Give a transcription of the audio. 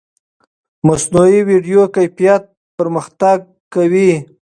مصنوعي ویډیو کیفیت پرمختګ کوي.